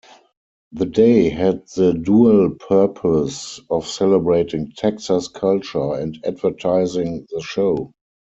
The day had the dual purpose of celebrating Texas culture and advertising the show.